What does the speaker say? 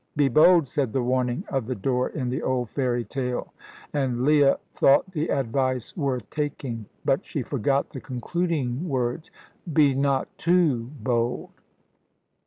Be bold!" said the warning of the door in the old fairy tale, and Leah thought the advice worth taking. But she forgot the concluding words, "Be not too bold!"